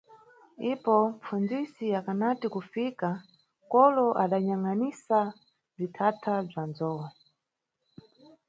Ipo mpfunzisi akanati kufika, kolo adanyangʼanisa bzithatha bza nzou.